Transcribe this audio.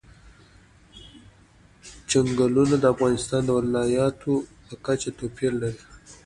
چنګلونه د افغانستان د ولایاتو په کچه توپیر لري.